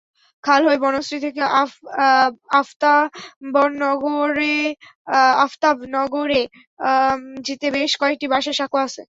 খাল হয়ে বনশ্রী থেকে আফতাবনগরে যেতে বেশ কয়েকটি বাঁশের সাঁকো আছে।